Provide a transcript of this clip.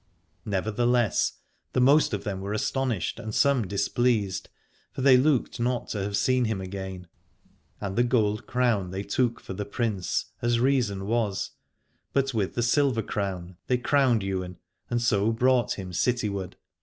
Nevertheless the most of them were astonished and some displeased : for they looked not to have seen him again. And the gold crown they took for the Prince, as reason was : but with the silver crown they crowned Ywain and so brought him cityward.